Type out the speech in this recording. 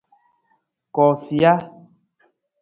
Koosija.